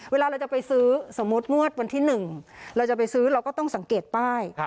เวลาเราจะไปซื้อสมมุติงวดวันที่๑เราจะไปซื้อเราก็ต้องสังเกตป้าย